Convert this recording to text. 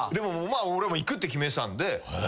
俺行くって決めてたんで。